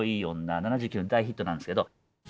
７９年の大ヒットなんですけど。